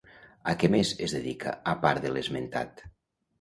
A què més es dedica a part de l'esmentat?